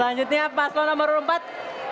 selanjutnya paslong nomor empat